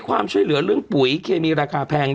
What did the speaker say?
ความช่วยเหลือเรื่องปุ๋ยเคมีราคาแพง